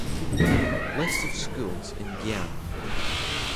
List of schools in Guyana